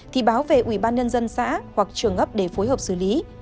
thì báo về ủy ban nhân dân xã hoặc trường ấp để phối hợp xử lý